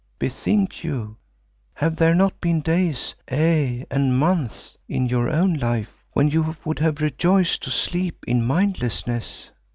Bethink you, have there not been days, aye and months, in your own life when you would have rejoiced to sleep in mindlessness?